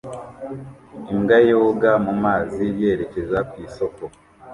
Imbwa yoga mu mazi yerekeza ku isoko